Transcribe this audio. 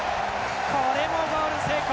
これも、ゴール成功。